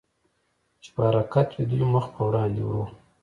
چې په حرکت وې، دوی مخ په وړاندې ورو.